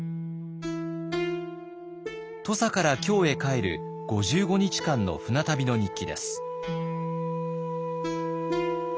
土佐から京へ帰る５５日間の船旅の日記です。